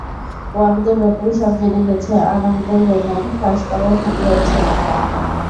ও আমাদের ব্যাপারে সব জেনে গেছে আর আমাদের গোমর ফাঁস করার ফন্দি আঁটছে।